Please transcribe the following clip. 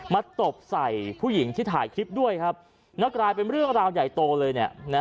มาตบใส่ผู้หญิงที่ถ่ายคลิปด้วยแล้วกลายเป็นเรื่องราวใหญ่โตเลย